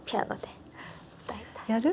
やる？